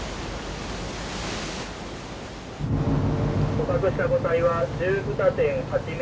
「捕獲した個体は１２．８ｍ。